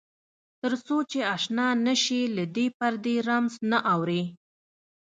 تر څو چې آشنا نه شې له دې پردې رمز نه اورې.